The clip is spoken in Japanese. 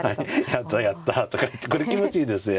やったやったとかいってこれ気持ちいいですね。